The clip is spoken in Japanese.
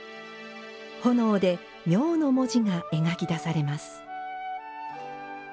炎で「妙」の文字が描き出されます。